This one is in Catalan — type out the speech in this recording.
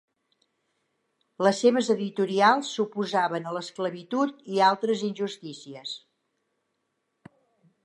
Les seves editorials s'oposaven a l'esclavitud i altres injustícies.